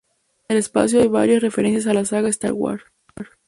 En el episodio hay varias referencias a la saga "Star Wars".